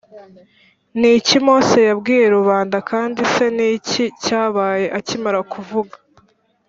Ni iki Mose yabwiye rubanda kandi se ni iki cyabaye akimara kuvuga